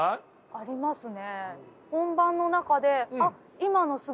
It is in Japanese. ありますね。